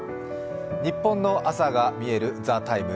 ニッポンの朝がみえる「ＴＨＥＴＩＭＥ，」